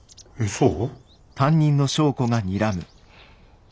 そう？